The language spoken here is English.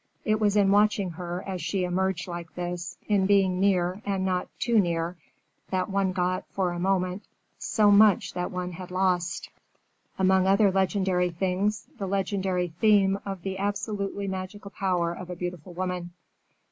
It was in watching her as she emerged like this, in being near and not too near, that one got, for a moment, so much that one had lost; among other legendary things the legendary theme of the absolutely magical power of a beautiful woman.